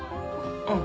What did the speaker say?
うん。